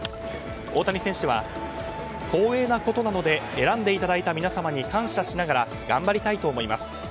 大谷選手は光栄なことなので選んでいただいた皆様に感謝しながら頑張りたいと思います。